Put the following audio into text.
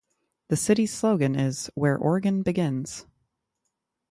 The city's slogan is "Where Oregon Begins".